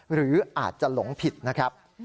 หรืออาจจะหลงผิดนะครับ